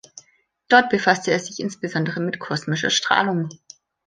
Dort befasste er sich insbesondere mit Kosmischer Strahlung.